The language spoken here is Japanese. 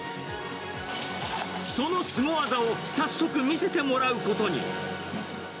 そのすご技を早速、見せてもらうことに。